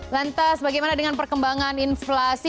lantas bagaimana dengan perkembangan inflasi